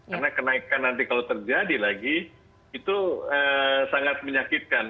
karena kenaikan nanti kalau terjadi lagi itu sangat menyakitkan